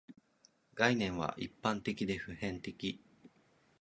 概念は一般的で普遍的